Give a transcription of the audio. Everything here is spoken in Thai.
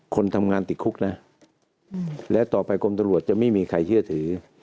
คนทำงานติดคุกนะและต่อไปกรมตำรวจจะไม่มีใครเชื่อถือ